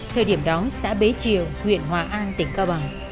thời điểm đó xã bế triều huyện hòa an tỉnh cao bằng